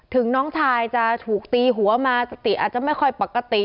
น้องชายจะถูกตีหัวมาสติอาจจะไม่ค่อยปกติ